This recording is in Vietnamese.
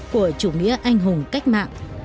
của chủ nghĩa anh hùng cách mạng